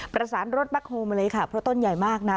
ประสานรถแคคโฮลมาเลยค่ะเพราะต้นใหญ่มากนะ